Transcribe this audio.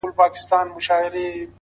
هره ورځ د نوې لاسته راوړنې پیل کېدای شي